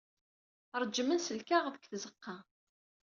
Ṛejjmen s lkaɣeḍ deg tzeɣɣa.